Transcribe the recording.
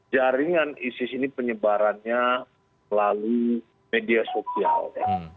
jaringan isis ini penyebarannya melalui media sosial ya